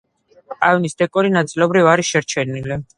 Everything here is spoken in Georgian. აივნის დეკორი ნაწილობრივ არის შერჩენილი.